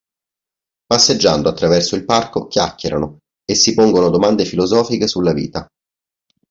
Passeggiando attraverso il parco chiacchierano e si pongono domande filosofiche sulla vita.